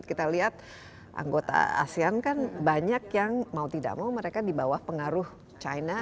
kita lihat anggota asean kan banyak yang mau tidak mau mereka di bawah pengaruh china